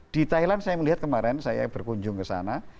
di thailand saya melihat kemarin saya berkunjung ke sana